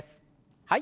はい。